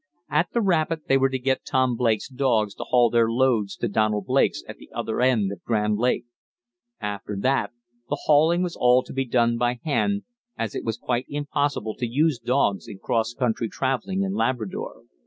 At the rapid they were to get Tom Blake's dogs to haul their loads to Donald Blake's at the other end of Grand Lake. After that, the hauling was all to be done by hand, as it is quite impossible to use dogs in cross country travelling in Labrador.